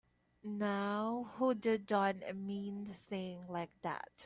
Now who'da done a mean thing like that?